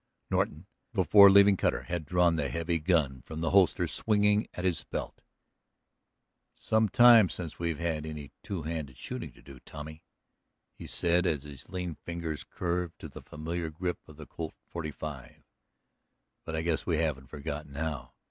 Norton, before leaving Cutter, had drawn the heavy gun from the holster swinging at his belt. "It's some time since we've had any two handed shooting to do, Tommy," he said as his lean fingers curved to the familiar grip of the Colt 45. "But I guess we haven't forgotten how.